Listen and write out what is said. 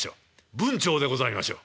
文晁でございましょう」。